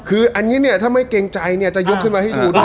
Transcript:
คืออันนี้เนี่ยถ้าไม่เกรงใจเนี่ยจะยกขึ้นมาให้ดูด้วย